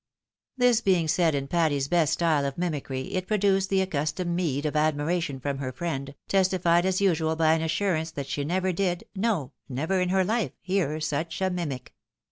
" This being said in Patty's best style of mimicry, it produced the accustomed meed of admiration from her friend, testified as usual by an assurance that she never did, no, never in her hfe, hear such a mimic